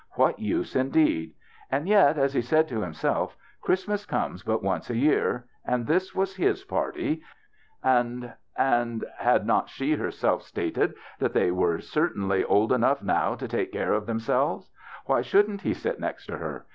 What use, indeed? And yet, as he said to himself, Christmas comes but once a year, and this was his party, and — and had not she herself stated that they certainly were old enough now to take care of themselves ? Why shouldn't he sit next to her